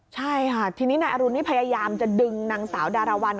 ใช่ค่ะทีนี้นายอรุณนี่พยายามจะดึงนางสาวดารวรรณ